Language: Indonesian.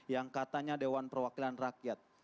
yang katanya dewan perwakilan rakyat